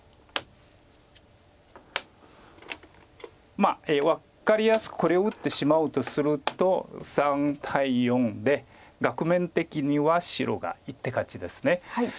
まあ分かりやすくこれを打ってしまうとすると３対４で額面的には白が１手勝ちです。